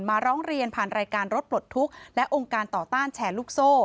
ร้องเรียนผ่านรายการรถปลดทุกข์และองค์การต่อต้านแชร์ลูกโซ่